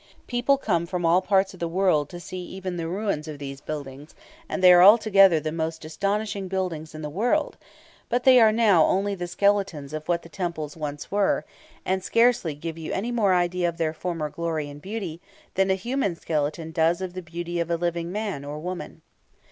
People come from all parts of the world to see even the ruins of these buildings, and they are altogether the most astonishing buildings in the world; but they are now only the skeletons of what the temples once were, and scarcely give you any more idea of their former glory and beauty than a human skeleton does of the beauty of a living man or woman.